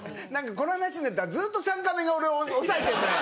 この話になったらずっと３カメが俺を押さえてるのよ。